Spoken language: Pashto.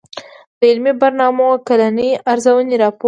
د علمي برنامو کلنۍ ارزوني راپور